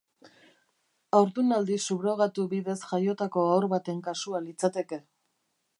Haurdunaldi subrogatu bidez jaiotako haur baten kasua litzateke.